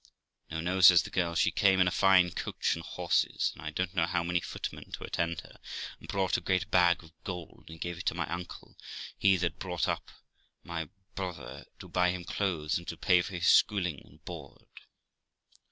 'No, no', says the girl; 'she came in a fine coach and horses, and I don't know how many footmen to attend her, and brought a great bag of gold and gave it to my uncle , he that brought up my brother, to buy him clothes and to pay for his schooling and board.'